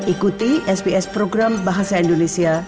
ikuti sps program bahasa indonesia